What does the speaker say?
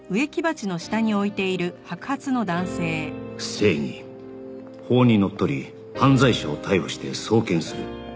正義法にのっとり犯罪者を逮捕して送検する